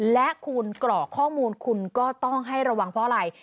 และคุณกรอกข้อมูลคุณก็ต้องให้ระวังเพราะอะไร